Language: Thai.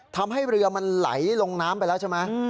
ทำให้เรือมันไหลลงน้ำไปแล้วใช่ไหม